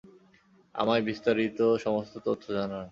আমায় বিস্তারিত সমস্ত তথ্য জানান।